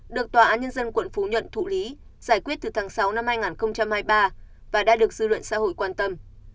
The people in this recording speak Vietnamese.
được tòa án nhân dân quận phú nhuận thụ lý giải quyết từ tháng sáu năm hai nghìn hai mươi ba và đã được dư luận xã hội quan tâm